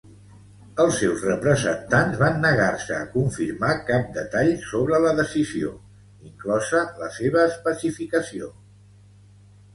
Els seus representants van negar-se a confirmar cap detall sobre la decisió, inclosa la seva especificació.